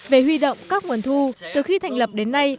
về huy động các nguồn thu từ khi thành lập đến nay